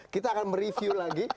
kita akan mereview lagi